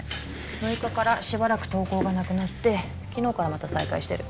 ６日からしばらく投稿がなくなって昨日からまた再開してる。